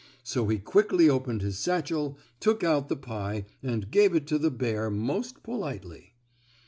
So he quickly opened his satchel, took out the pie and gave it to the bear most politely.